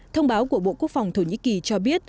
thông báo của bộ quốc phòng thổ nhĩ kỳ cho biết